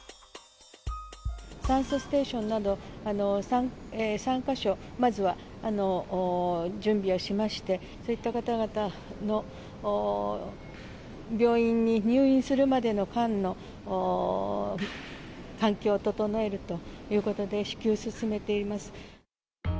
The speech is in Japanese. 酸素ステーションなど３か所、まずは準備をしまして、そういった方々の病院に入院するまでの間の環境を整えるということで、至急進めています。